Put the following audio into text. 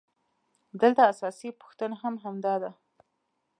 دلته اساسي پوښتنه هم همدا ده